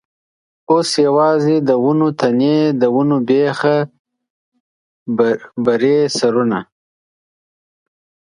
اوس یوازې د ونو تنې، د ونو بېخه برې سرونه.